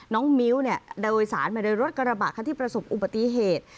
น้องมิ้วเนี่ยโดยสารมาโดยรถกระบะคันที่ประสบอุบัติเหตุ